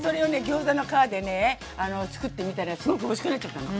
ギョーザの皮でね作ってみたらすごくおいしくなっちゃったの。